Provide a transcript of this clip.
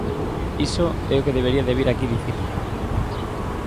Iso é o que debería de vir aquí dicir.